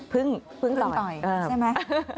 พึ่งพึ่งต่อยใช่ไหมพึ่งต่อย